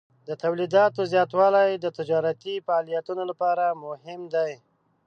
د تولیداتو زیاتوالی د تجارتي فعالیتونو لپاره مهم دی.